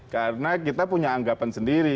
karena kita punya anggapan sendiri